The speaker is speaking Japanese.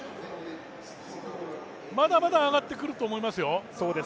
まだまだ上がってくると思いますよ。